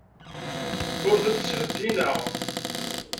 Ur ten-ttheddineɣ.